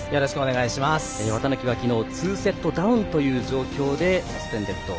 綿貫は昨日２セットダウンという状況でサスペンデッド。